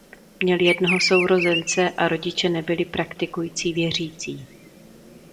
Měl jednoho sourozence a rodiče nebyli praktikující věřící.